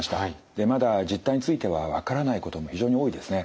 でまだ実態については分からないことも非常に多いですね。